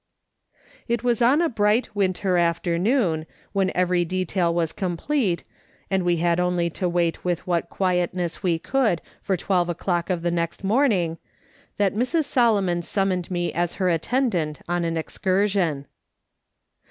It was on a bright winter afternoon, when every detail was complete, and we had only to wait with what quietness we could for twelve o'clock of the next morning, that Mrs. Solomon summoned me as her attendant on an excursion.